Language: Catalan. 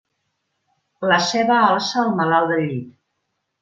La ceba alça el malalt del llit.